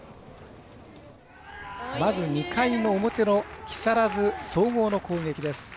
まず２回の表の木更津総合の攻撃です。